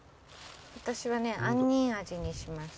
私はね杏仁味にしました。